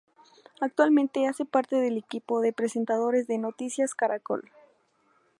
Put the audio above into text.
Actualmente hace parte del equipo de presentadores de "Noticias Caracol".